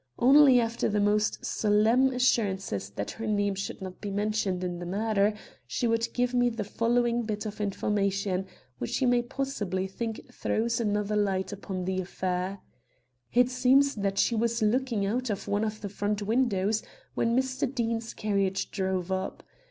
Only after the most solemn assurances that her name should not be mentioned in the matter, would she give me the following bit of information, which you may possibly think throws another light upon the affair. It seems that she was looking out of one of the front windows when Mr. Deane's carriage drove up.